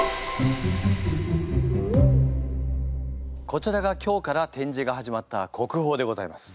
こちらが今日から展示が始まった国宝でございます。